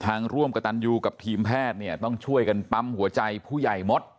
ร่วมกับตันยูกับทีมแพทย์เนี่ยต้องช่วยกันปั๊มหัวใจผู้ใหญ่มด